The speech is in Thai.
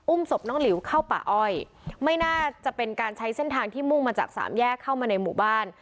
ศพน้องหลิวเข้าป่าอ้อยไม่น่าจะเป็นการใช้เส้นทางที่มุ่งมาจากสามแยกเข้ามาในหมู่บ้าน